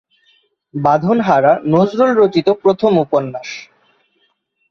বাঁধন হারা নজরুল রচিত প্রথম উপন্যাস।